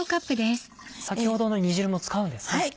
先ほどの煮汁も使うんですね。